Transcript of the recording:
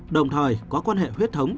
đồng thời có quan hệ huyết thống